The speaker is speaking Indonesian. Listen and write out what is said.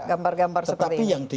gambar gambar seperti ini